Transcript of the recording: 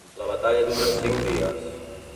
La batalla dura cinc dies».